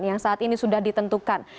yang saat ini sudah ditentukan